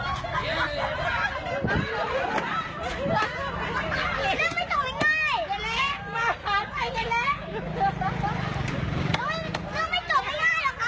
เรื่องไม่จบไม่ง่ายเหรอครับ